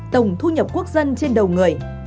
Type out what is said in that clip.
tổng thu nhập quốc dân trên đầu người